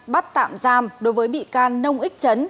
bắt tạm giam đối với bị can nông ích chấn